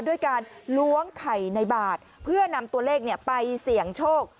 ด้วยการล้วงไข่ในบาทเพื่อนำตัวเลขไปเสี่ยงโชค